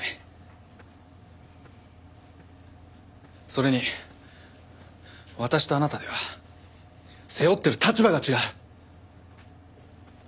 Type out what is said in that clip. それに私とあなたでは背負ってる立場が違う！